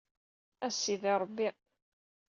A Sidi Ṛebbi!